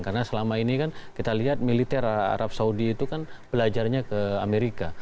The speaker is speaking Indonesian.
karena selama ini kan kita lihat militer arab saudi itu kan belajarnya ke amerika